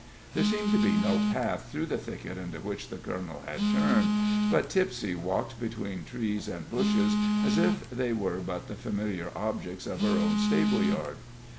There seemed to be no path through the thicket into which the colonel had turned, but Tipsie walked between trees and bushes as if they were but the familiar objects of her own stable yard.